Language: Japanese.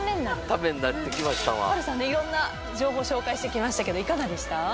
いろんな情報紹介してきましたけどいかがでした？